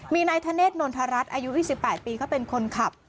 มีนายทะเนธนนทรัศน์อายุสิบแปดปีเขาเป็นคนขับ